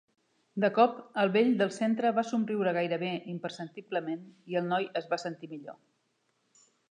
De cop, el vell del centre va somriure gairebé imperceptiblement i el noi es va sentir millor.